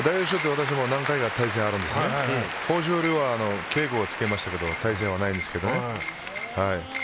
私、何回か対戦があるんですが豊昇龍は稽古をつけましたけど対戦はないんです。